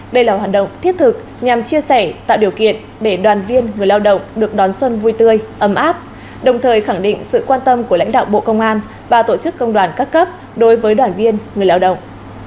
đây là hoạt động thiết thực nhằm chia sẻ tạo điều kiện để đoàn viên người lao động được đón xuân vui tươi ấm áp đồng thời khẳng định sự quan tâm của lãnh đạo bộ công an và tổ chức công đoàn các cấp đối với đoàn viên người lao động